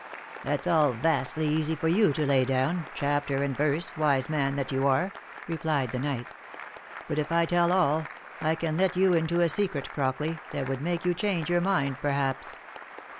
"That's all vastly easy for you to lay down, chapter and verse, wise man that you are," replied the knight. " But if I tell all, I can let you into a secret, Crockley, that would make you change your mind, perhaps.